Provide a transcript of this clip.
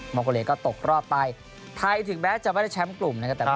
แฮคถูกแบบจะไปแชมป์กลุ่ม